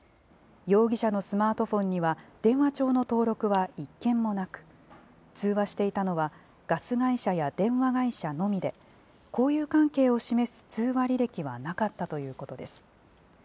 容疑者のスマートフォンには、電話帳の登録は１件もなく、通話していたのはガス会社や電話会社のみで、交友関係を示す通話履歴はなかったということです。